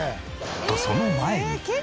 とその前に！